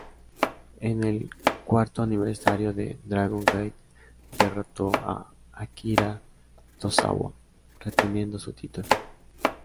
En el cuarto aniversario de Dragon Gate, derrotó a Akira Tozawa, reteniendo su título.